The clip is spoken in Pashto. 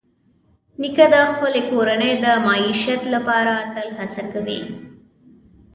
نیکه د خپلې کورنۍ د معیشت لپاره تل هڅه کوي.